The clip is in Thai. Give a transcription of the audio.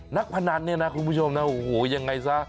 พนันเนี่ยนะคุณผู้ชมนะโอ้โหยังไงซะ